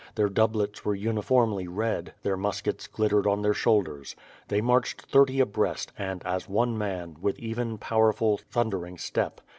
Their doublets were uniformly red; their muskets glittered on their shoul ders. They marched thirty abreast and, as one man, with even, powerful, thundering step.